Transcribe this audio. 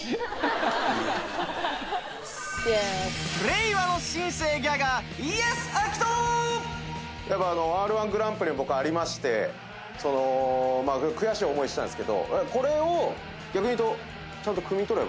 令和の新星ギャガーやっぱあのＲ−１グランプリ僕ありまして悔しい思いしたんですけどこれを逆に言うとちゃんと。